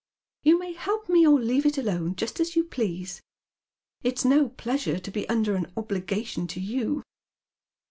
" You may help me or leave it alone, just as you please. It's oo pleasure ^ be under an obligation to you."